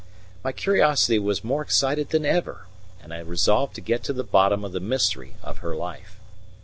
My curiosity was more excited than ever, and I resolved to get to the bottom of the mystery of her life.